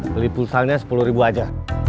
beli pulsalnya sepuluh ribu aja